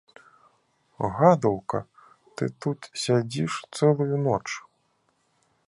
Гадаўка, ты тут сядзіш цэлую ноч.